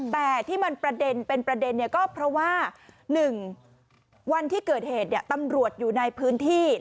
แต่ที่มันประเด็นเป็นประเด็นก็เพราะว่า๑วันที่เกิดเหตุตำรวจอยู่ในพื้นที่